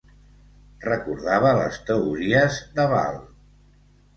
Recordava les teories de bal